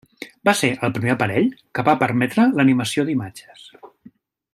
Va ser el primer aparell que va permetre l'animació d'imatges.